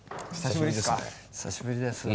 久しぶりですね。